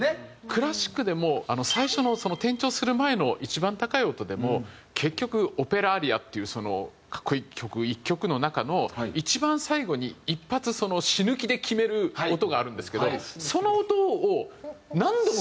クラシックでも最初の転調する前の一番高い音でも結局オペラアリアっていう格好いい曲１曲の中の一番最後に一発死ぬ気で決める音があるんですけどその音を。